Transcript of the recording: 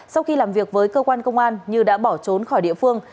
sau khi làm việc với cơ quan công an như đã bỏ trốn khỏi địa phương